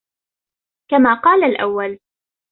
كَمَا قَالَ الْأَوَّلُ